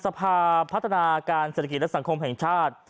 สภาพัฒนาการเศรษฐกิจและสังคมแห่งชาติ